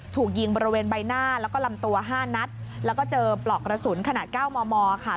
ถูกยิงบริเวณใบหน้าแล้วก็ลำตัวห้านัดแล้วก็เจอปลอกกระสุนขนาดเก้ามอมอค่ะ